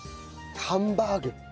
ハンバーグ。